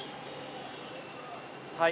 はい。